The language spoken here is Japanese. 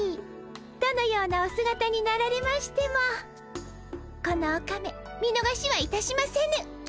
どのようなおすがたになられましてもこのオカメ見逃しはいたしませぬ。